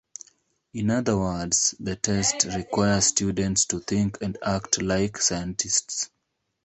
In other words, the test requires students to think and act like scientists.